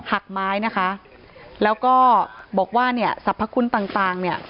หักไม้นะคะแล้วก็บอกว่าเนี่ยศัพท์พระคุณต่างเนี่ย